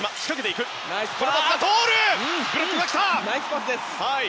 ナイスパスでした。